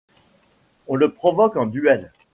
On le provoque en duel.